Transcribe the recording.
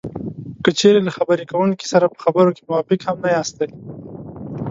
که چېرې له خبرې کوونکي سره په خبرو کې موافق هم نه یاستی